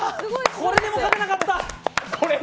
これでも勝てなかった！